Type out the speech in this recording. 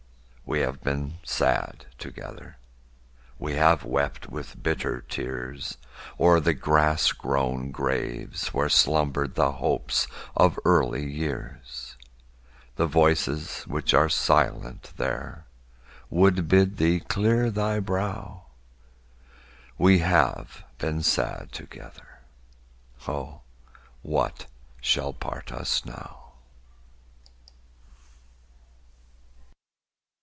We have been sad together; We have wept with bitter tears O'er the grass grown graves where slumbered The hopes of early years. The voices which are silent there Would bid thee clear thy brow; We have been sad together. Oh, what shall part us now?